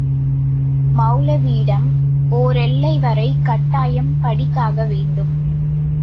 மெளலவியிடம் ஓரெல்லைவரை கட்டாயம் படித்தாக வேண்டும்.